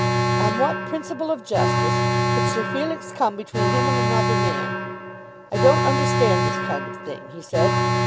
On what principle of justice could Sir Felix come between him and another man? "I don't understand this kind of thing," he said.